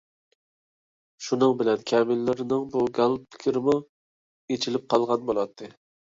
شۇنىڭ بىلەن كەمىنىلىرىنىڭ بۇ گال پىكرىمۇ ئېچىلىپ قالغان بولاتتى.